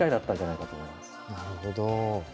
なるほど。